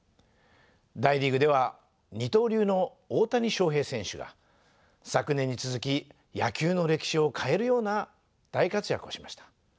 大リーグでは二刀流の大谷翔平選手が昨年に続き野球の歴史を変えるような大活躍をしました。